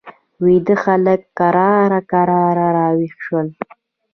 ویده خلک کرار کرار را ویښ شول.